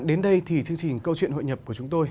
đến đây thì chương trình câu chuyện hội nhập của chúng tôi